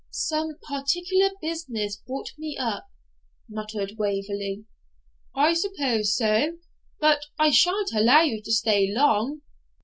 'Some particular business brought me up,' muttered Waverley. 'I supposed so, but I shan't allow you to stay long.